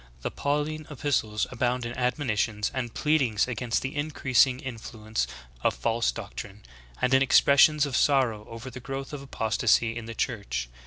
The Pauline epistles abound in admonitions and pleadings against the increasing influence of false doctrines, and in expressions of sorrow over the growth of apostasy in the Church.